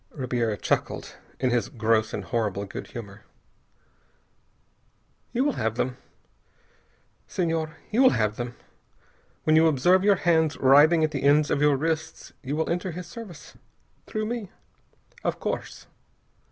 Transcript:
Ribiera chuckled, in his gross and horrible good humor. "He will have them. Senhor. He will have them. When you observe your hands writhing at the ends of your wrists, you will enter his service, through me. Of course.